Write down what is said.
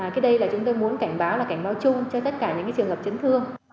cái đây là chúng tôi muốn cảnh báo là cảnh báo chung cho tất cả những trường hợp chấn thương